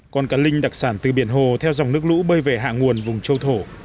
con cá linh đặc sản từ biển hồ theo dòng nước lũ bơi về hạ nguồn vùng châu thổ